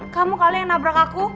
kamu kali yang nabrak aku